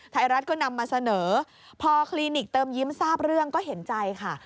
ไทยรัฐก็นำมาเสนอพอคลินิกเติมยิ้มทราบเรื่องก็เห็นใจค่ะ